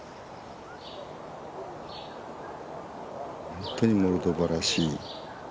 本当にモルドバらしい。